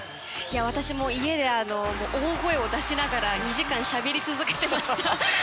私も家で大声を出しながら２時間しゃべり続けていました。